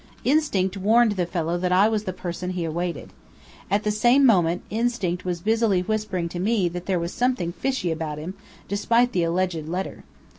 Instinct warned the fellow that I was the person he awaited. At the same moment, instinct was busily whispering to me that there was something fishy about him, despite the alleged letter.